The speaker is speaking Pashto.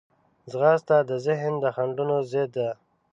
ځغاسته د ذهن د خنډونو ضد ده